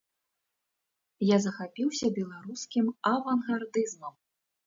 Я захапіўся беларускім авангардызмам.